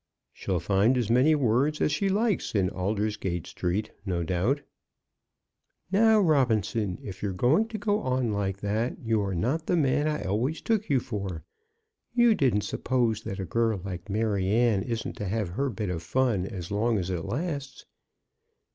"She'll find as many words as she likes in Aldersgate Street, no doubt." "Now, Robinson, if you're going to go on like that, you are not the man I always took you for. You didn't suppose that a girl like Maryanne isn't to have her bit of fun as long as it lasts.